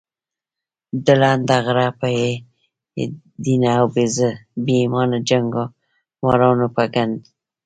د لنډه غرو، بې دینه او بې ایمانه جنګمارانو په ګند کې.